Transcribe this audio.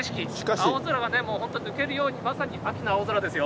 青空がもう本当抜けるように、まさに秋の青空ですよ。